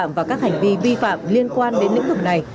công tác vi phạm và các hành vi vi phạm liên quan đến lĩnh vực này